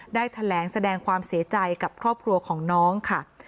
ได้แถลงแสดงความเสียใจกับครอบครัวของน้องค่ะ